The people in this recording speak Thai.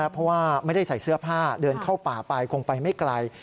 เพราะว่าไม่ได้ใส่เสื้อผ้าเดินเข้าป่าไปคงไปไม่ไกล